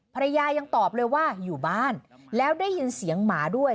ภรรยายังตอบเลยว่าอยู่บ้านแล้วได้ยินเสียงหมาด้วย